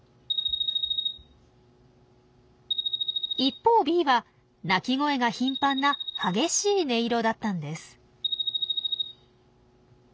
一方Ｂは鳴き声が頻繁な激しい音色だったんです。